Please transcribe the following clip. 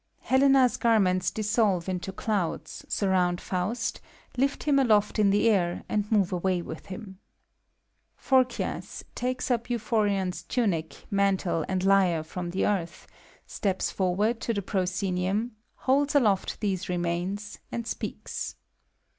(Helena's garments dissolve into clouds, surround Faust, lift him aloft in the air^ and move away with him,) 184 FAUST. PHOBKTAS {takes up Euphobion's tunic, mantle, and lyre from the earth, steps forward to the proscenium, hold$ aloft these remains, and speaks).